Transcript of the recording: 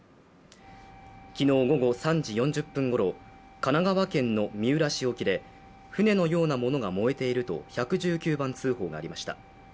昨日午後３時４０分ごろ、神奈川県の三浦市沖で船のようなものが燃えていると１１９番通報がありました。